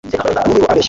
umwe muri bo arabeshya